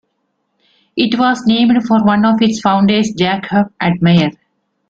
It was named for one of its founders, Jacob Admire.